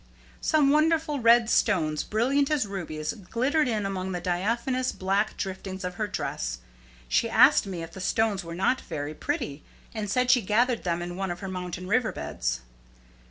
Some wonderful red stones, brilliant as rubies, glittered in among the diaphanous black driftings of her dress. She asked me if the stones were not very pretty, and said she gathered them in one of her mountain river beds.